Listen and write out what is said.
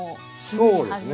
そうですね。